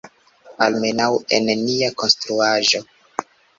Almenaŭ, en nia konstruaĵo.